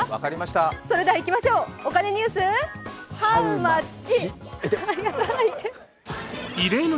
それではいきましょう、お金ニュース、ハウマッチ！